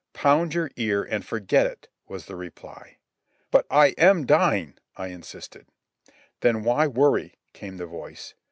"Pound your ear and forget it," was the reply. "But I am dying," I insisted. "Then why worry?" came the voice.